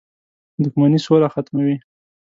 • دښمني سوله ختموي.